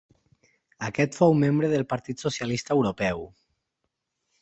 Aquest fou membre del Partit Socialista Europeu.